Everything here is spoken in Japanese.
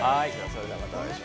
それではまた来週。